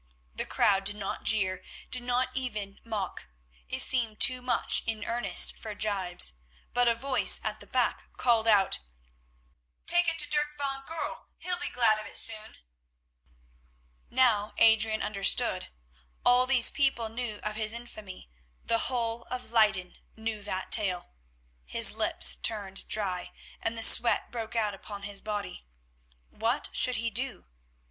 The crowd did not jeer, did not even mock; it seemed too much in earnest for gibes, but a voice at the back called out: "Take it to Dirk van Goorl. He'll be glad of it soon." Now Adrian understood. All these people knew of his infamy; the whole of Leyden knew that tale. His lips turned dry, and the sweat broke out upon his body. What should he do?